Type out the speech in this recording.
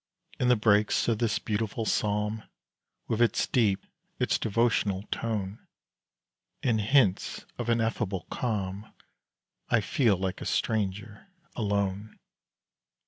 In the breaks of this beautiful psalm, With its deep, its devotional tone, And hints of ineffable calm, I feel like a stranger, alone.